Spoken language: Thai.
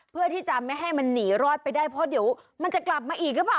เพื่อที่จะไม่ให้มันหนีรอดไปได้เพราะเดี๋ยวมันจะกลับมาอีกหรือเปล่า